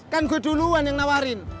kan gue duluan yang nawarin